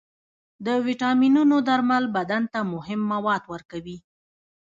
د ویټامینونو درمل بدن ته مهم مواد ورکوي.